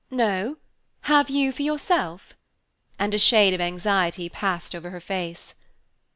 "No, have you for yourself?" And a shade of anxiety passed over her face.